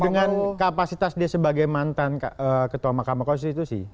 dengan kapasitas dia sebagai mantan ketua mahkamah konstitusi